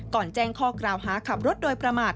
แจ้งข้อกล่าวหาขับรถโดยประมาท